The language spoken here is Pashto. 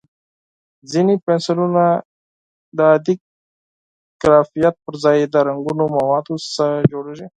ځینې پنسلونه د عادي ګرافیت پر ځای د رنګینو موادو څخه جوړېږي.